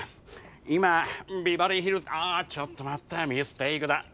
今ビバリーヒルズああちょっと待ったミステイクだ。